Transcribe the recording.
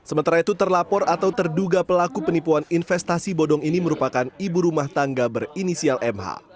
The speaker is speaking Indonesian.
sementara itu terlapor atau terduga pelaku penipuan investasi bodong ini merupakan ibu rumah tangga berinisial mh